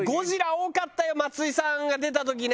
多かったよ松井さんが出た時ね。